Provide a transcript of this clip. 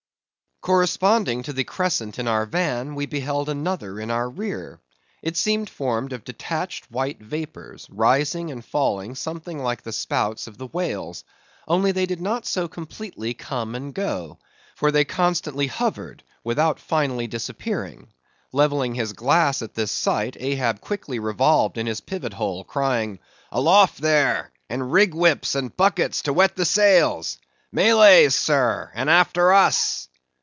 Corresponding to the crescent in our van, we beheld another in our rear. It seemed formed of detached white vapors, rising and falling something like the spouts of the whales; only they did not so completely come and go; for they constantly hovered, without finally disappearing. Levelling his glass at this sight, Ahab quickly revolved in his pivot hole, crying, "Aloft there, and rig whips and buckets to wet the sails;—Malays, sir, and after us!"